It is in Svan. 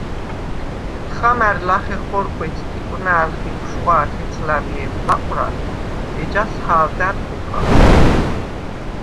ხამა̈რ ლახე ხორხვეცდ იყვნა̄̈ლხ ი უშხვა̄რ ხეცლა̈ვჲე̄ლხ ლაყვრას, ეჯას ჰა̄ვდა̈რ ხოხა.